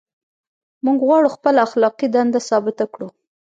موږ غواړو خپله اخلاقي دنده ثابته کړو.